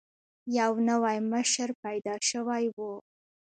یو نوی مشر پیدا شوی وو.